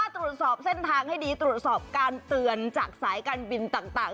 ตรวจสอบเส้นทางให้ดีตรวจสอบการเตือนจากสายการบินต่าง